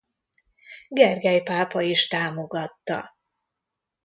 Gergely pápa is támogatta.